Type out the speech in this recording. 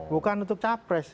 bukan untuk capres